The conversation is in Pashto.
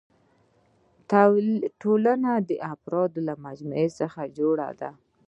ټولنه د افرادو له مجموعي څخه جوړه ده.